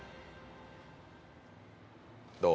どう？